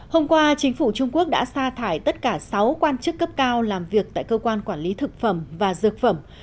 hôm qua chính phủ trung quốc đã xa thải tất cả sáu quan chức cấp cao làm việc tại cơ quan quản lý thực phẩm và dược phẩm